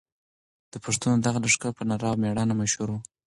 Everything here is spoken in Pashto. د پښتنو دغه لښکر په نره او مېړانه مشهور و.